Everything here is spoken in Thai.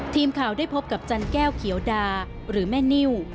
ทีมข่าวได้พบกับจันแก้วเขียวดาหรือแม่นิ้ว